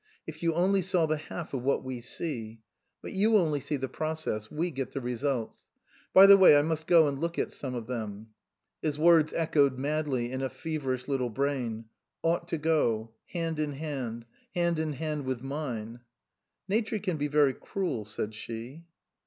If you only saw the half of what we see But you only see the process ; we get the results. By the way I must go and look at some of them." His words echoed madly in a feverish little brain, " Ought to go hand in hand hand in hand with mine." " Nature can be very cruel," said she.